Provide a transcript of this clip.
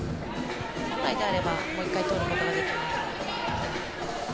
本来であればもう１回取ることができるので。